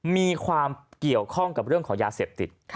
มีความเกี่ยวข้องกับเรื่องของยาเสพติด